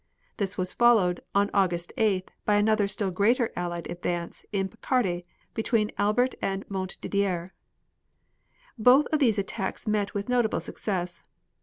This was followed, on August 8th, by another still greater Allied advance in Picardy, between Albert and Montdidier. Both of these attacks met with notable success.